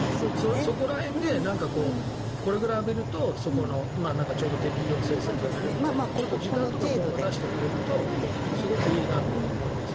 そこら辺でこれくらい浴びるとちょうど適量を生成させるみたいなものを出してくれるとすごくいいなと思いますね。